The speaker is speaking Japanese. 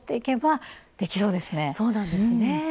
そうなんですねぇ。